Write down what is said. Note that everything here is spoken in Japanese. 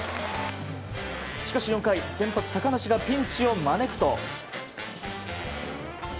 しかし４回、先発、高梨がピンチを招くと。